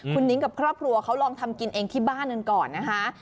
คุณนิ้งกับครอบครัวเขาลองทำกินเองที่บ้านกันก่อนนะคะ